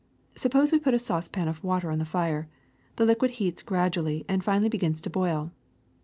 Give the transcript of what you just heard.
Suppose we put a saucepan of water on the fire. The liquid heats gradually and finally begins to boil.